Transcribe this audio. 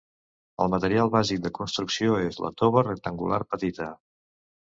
El material bàsic de construcció és la tova rectangular petita.